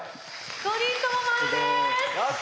５人ともマルです。